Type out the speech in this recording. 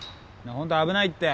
ホント危ないって！